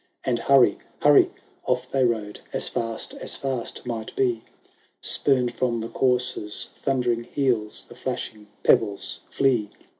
And, hurry ! hurry ! off they rode, As fast as fast might be ; Spurned from the courser's thundering heels The flashing pebbles flee.